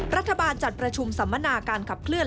รัฐบาลจัดประชุมสัมมนาการขับเคลื